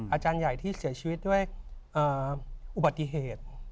อาจารย์ใหญ่ที่เสียชีวิตด้วยอุบัติเหตุ